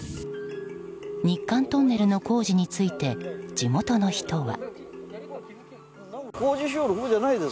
日韓トンネルの工事について地元の人は。